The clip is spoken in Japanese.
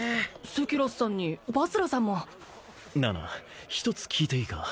セキロスさんにバスラさんもなあなあ一つ聞いていいか？